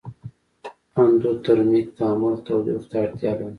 اندوترمیک تعامل تودوخې ته اړتیا لري.